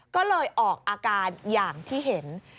ก็เลยออกอาการอย่างที่เห็น